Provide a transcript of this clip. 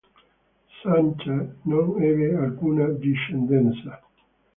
Sancha non ebbe alcuna discendenza.